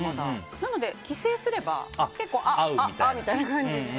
なので、帰省すれば結構、あっ！みたいな感じで。